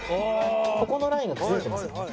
ここのラインが崩れてますよね。